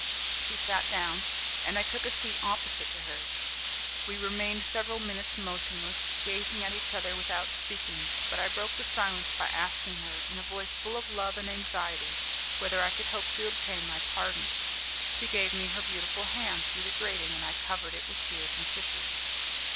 She sat down, and I took a seat opposite to her. We remained several minutes motionless, gazing at each other without speaking, but I broke the silence by asking her, in a voice full of love and anxiety, whether I could hope to obtain my pardon. She gave me her beautiful hand through the grating, and I covered it with tears and kisses.